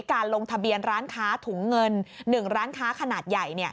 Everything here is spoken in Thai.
การลงทะเบียนร้านค้าถุงเงิน๑ร้านค้าขนาดใหญ่